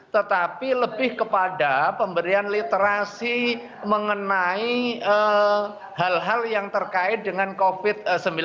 tetapi lebih kepada pemberian literasi mengenai hal hal yang terkait dengan covid sembilan belas